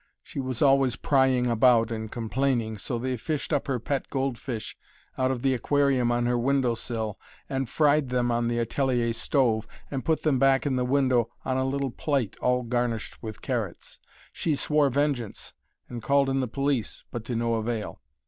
She was always prying about and complaining, so they fished up her pet gold fish out of the aquarium on her window sill, and fried them on the atelier stove, and put them back in the window on a little plate all garnished with carrots. She swore vengeance and called in the police, but to no avail.